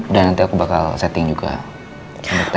dan nanti aku bakal setting juga timernya